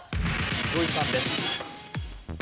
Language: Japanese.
土居さんです。